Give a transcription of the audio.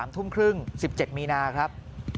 ๓ทุ่มครึ่ง๑๗มีนาครับ